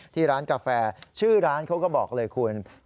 ที่ร้านกาแฟชื่อร้านเขาก็บอกเลยคุณ